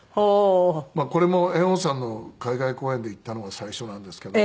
これも猿翁さんの海外公演で行ったのが最初なんですけど。